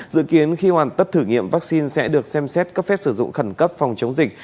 dự kiến khi hoàn tất thử nghiệm vaccine sẽ được xem xét cấp phép sử dụng khẩn cấp phòng chống dịch